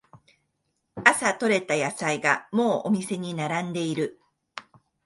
朝とれた野菜がもうお店に並んでる